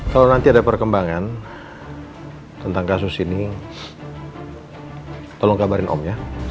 kalau nanti ada perkembangan tentang kasus ini tolong kabarin om ya